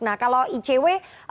nah kalau icw